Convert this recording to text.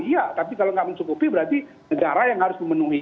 iya tapi kalau nggak mencukupi berarti negara yang harus memenuhi